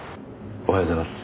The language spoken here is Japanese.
おはようございます。